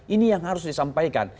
ini yang harus disampaikan